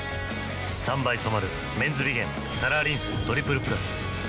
３倍染まる「メンズビゲンカラーリンストリプルプラス」